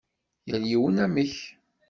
Yal yiwen amek.